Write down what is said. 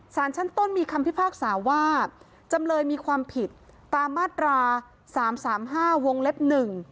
สารชั้นต้นมีคำพิพากษาว่าจำเลยมีความผิดตามมาตราสามสามห้าวงเล็บหนึ่ง